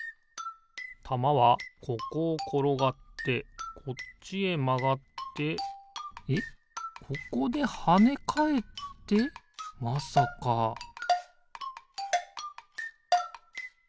たまはここをころがってこっちへまがってえっここではねかえってまさかピッ！